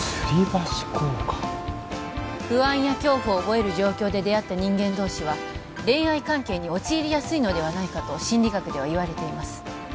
不安や恐怖を覚える状況で出会った人間同士は恋愛関係に陥りやすいのではないかと心理学ではいわれています